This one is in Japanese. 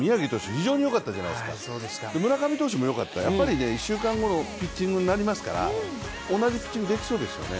非常によかったじゃないですか村上投手もよかったやっぱり１週間後のピッチングになりますから同じピッチングできそうですよね。